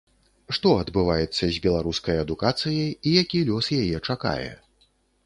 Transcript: Што адбываецца з беларускай адукацыяй і які лёс яе чакае?